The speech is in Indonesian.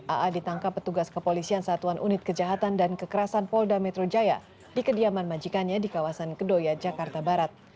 aa ditangkap petugas kepolisian satuan unit kejahatan dan kekerasan polda metro jaya di kediaman majikannya di kawasan kedoya jakarta barat